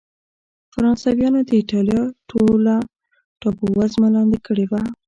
فرانسویانو د اېټالیا ټوله ټاپو وزمه لاندې کړې وه.